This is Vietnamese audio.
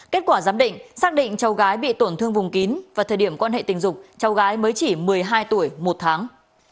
kết quả giám định xác định cháu gái bị tổn thương vùng kín và thời điểm quan hệ tình dục cháu gái mới chỉ một mươi hai tuổi một tháng